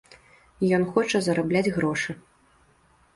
Ён хоча зарабляць грошы.